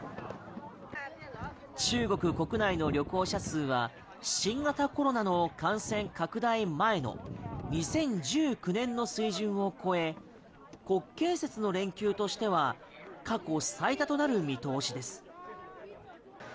中国国内の旅行者数は新型コロナの感染拡大前の２０１９年の水準を超え国慶節の連休としては過去最多となる見通しです。